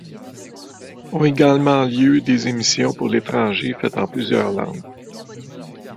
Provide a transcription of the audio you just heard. Ont également lieu des émissions pour l’étranger faites en plusieurs langues.